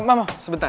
ma ma sebentar